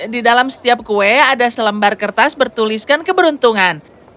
di dalam setiap kue ada selembar kertas bertuliskan keberuntungan